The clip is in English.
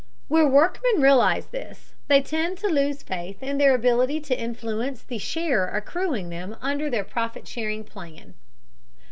Where workmen realize this, they tend to lose faith in their ability to influence the share accruing to them under the profit sharing plan.